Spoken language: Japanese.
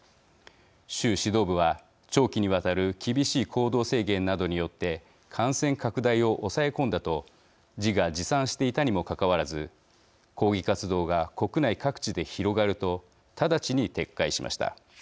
習指導部は長期にわたる厳しい行動制限などによって感染拡大を抑え込んだと自画自賛していたにもかかわらず抗議活動が国内各地で広がると直ちに撤回しました。